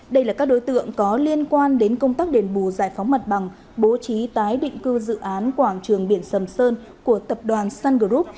đây là các đối tượng có liên quan đến công tác đền bù giải phóng mặt bằng bố trí tái định cư dự án quảng trường biển sầm sơn của tập đoàn sun group